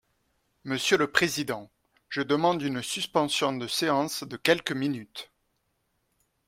Monsieur le président, je demande une suspension de séance de quelques minutes.